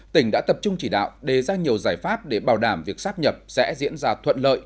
tỉnh đã tập trung chỉ đạo đề ra nhiều giải pháp để bảo đảm việc sắp nhập sẽ diễn ra thuận lợi